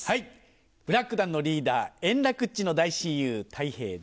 ブラック団のリーダー円楽っちの大親友たい平です。